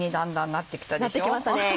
なってきましたね